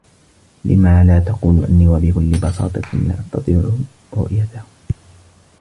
لم لا تقول أنّي و بكلّ بساطة لا أستطيع رؤيته.